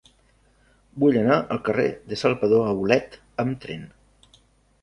Vull anar al carrer de Salvador Aulet amb tren.